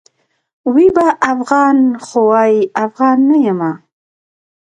وي به افغان؛ خو وايي افغان نه یمه